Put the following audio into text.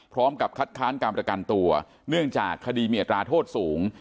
พร้อมกับคัดค้านการประกันตัวเนื่องจากคดีมีอัตราโทษสูง